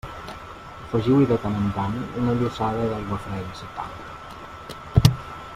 Afegiu-hi de tant en tant una llossada d'aigua freda si cal.